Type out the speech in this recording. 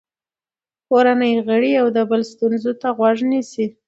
کورنۍ غړي د یو بل ستونزو ته غوږ نیسي